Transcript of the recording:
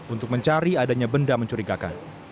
untuk mencari adanya benda mencurigakan